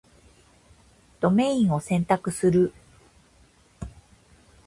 ドメインを選択する